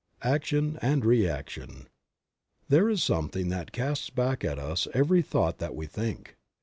ACTION AND REACTION. 'J'HERE is something that casts back at us every thought that we think.